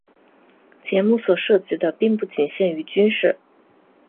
节目所涉及的并不仅限于军事。